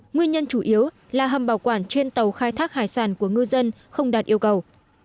nguyên nhân chủ yếu là hầm bảo quản trên tàu khai thác hải sản của ngư dân không đạt yêu cầu